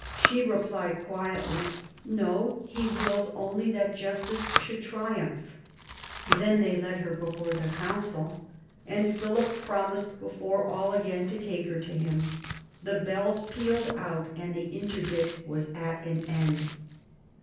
She replied quietly, "No, he wills only that justice should triumph." Then they led her before the council, and Philip promised before all again to take her to him. The bells pealed out, and the interdict was at an end.